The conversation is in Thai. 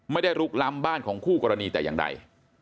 ลุกล้ำบ้านของคู่กรณีแต่อย่างใด